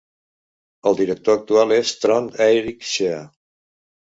El director actual és Trond Eirik Schea.